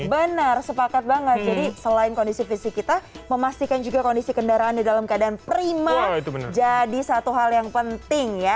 benar sepakat banget jadi selain kondisi fisik kita memastikan juga kondisi kendaraan di dalam keadaan prima jadi satu hal yang penting ya